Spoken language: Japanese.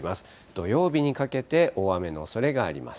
土曜日にかけて大雨のおそれがあります。